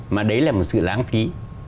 mà đấy là một sự lãng phí